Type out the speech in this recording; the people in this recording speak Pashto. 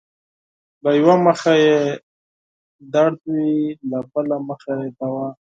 له يؤه مخه يې درد وي له بل مخه يې دوا